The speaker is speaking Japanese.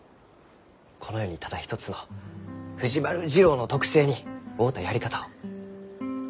この世にただ一つの藤丸次郎の特性に合うたやり方を。